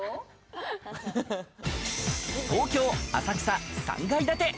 東京・浅草３階建て。